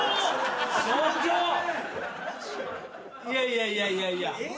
いやいや。